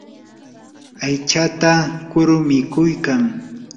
aychata kuru mikuykan.